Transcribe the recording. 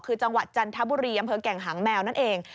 คือจังหวัดจันทบุรีอำเภอแก่งหางแมวนั่นเอง